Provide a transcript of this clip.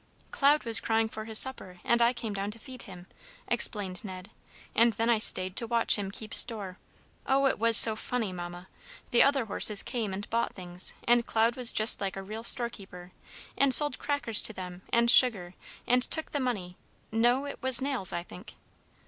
"Cloud was crying for his supper, and I came down to feed him," explained Ned. "And then I stayed to watch him keep store. Oh, it was so funny, Mamma! The other horses came and bought things, and Cloud was just like a real storekeeper, and sold crackers to them, and sugar, and took the money no, it was nails, I think."